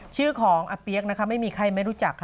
ชื่อของแอบเเพียกไม่มีใครไม่รู้จักค่ะ